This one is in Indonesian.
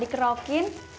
mak kalo emak mau dikerokin